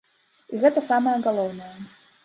І гэта самае галоўнае.